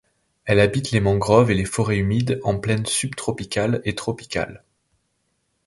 Elle habite les mangroves et les forêts humides en plaine subtropicales et tropicales.